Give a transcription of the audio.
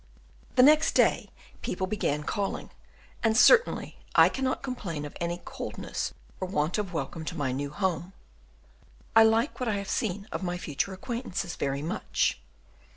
The next day people began calling, and certainly I cannot complain of any coldness or want of welcome to my new home. I like what I have seen of my future acquaintances very much.